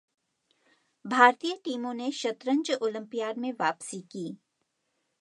भारतीय टीमों ने शतरंज ओलंपियाड में वापसी की